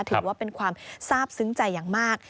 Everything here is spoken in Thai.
ถือว่าเป็นความทราบซึ้งใจอย่างมาก